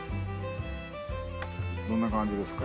どんな感じですか？